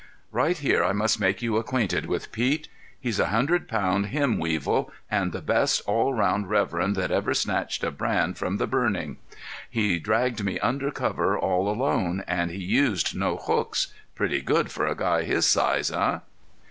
Right here I must make you acquainted with Pete. He's a hundred pound hymn weevil, and the best all round reverend that ever snatched a brand from the burning. He dragged me in under cover all alone, and he used no hooks. Pretty good for a guy his size, eh?